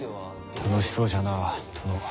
楽しそうじゃなあ殿は。